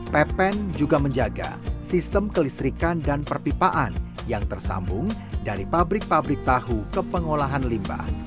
pepen juga menjaga sistem kelistrikan dan perpipaan yang tersambung dari pabrik pabrik tahu ke pengolahan limbah